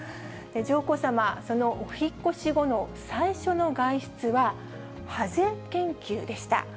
上皇さま、そのお引っ越し後の最初の外出は、ハゼ研究でした。